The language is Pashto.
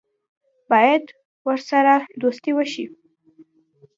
باید ورسره دوستي وشي.